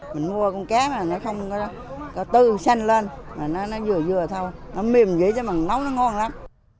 mình mua con cá mà nó không có tư xanh lên nó dừa dừa thôi nó mềm dữ chứ mà nóng nó ngon lắm